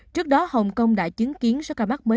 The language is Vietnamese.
trước đó hồng kông đã chứng kiến số ca mắc mới